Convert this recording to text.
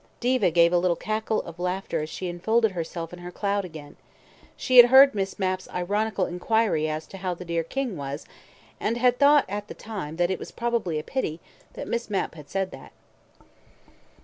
Diva gave a little cackle of laughter as she enfolded herself in her cloud again. She had heard Miss Mapp's ironical inquiry as to how the dear King was, and had thought at the time that it was probably a pity that Miss Mapp had said that.